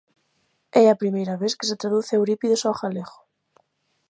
É a primeira vez que se traduce Eurípides ao galego.